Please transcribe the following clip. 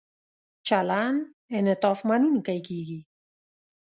چلند انعطاف مننونکی کیږي.